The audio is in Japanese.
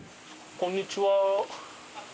こんにちは。